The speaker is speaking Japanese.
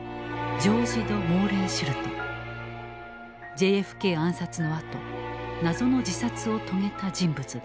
ＪＦＫ暗殺のあと謎の自殺を遂げた人物だ。